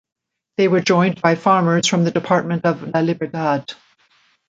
They were joined by farmers from the department of La Libertad.